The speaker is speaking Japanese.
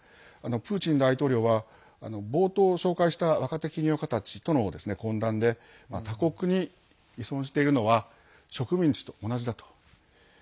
プーチン大統領は冒頭紹介した若手起業家たちとの懇談で他国に依存しているのは植民地と同じだと。